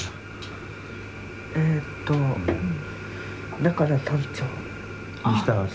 えっとだから短調。にしたわけ？